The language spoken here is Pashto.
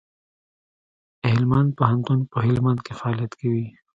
هلمند پوهنتون په هلمند کي فعالیت کوي.